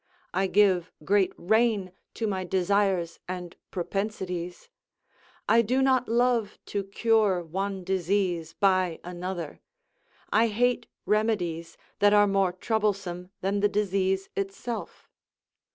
I give great rein to my desires and propensities; I do not love to cure one disease by another; I hate remedies that are more troublesome than the disease itself.